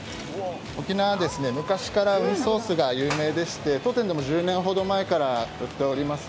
沖縄は昔からウニソースが有名でして、当店でも１０年ほど前から売っております。